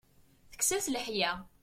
Tekkes-as leḥya.